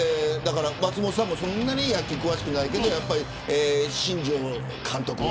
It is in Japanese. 松本さんもそんなに野球詳しくないけどやっぱり、新庄監督。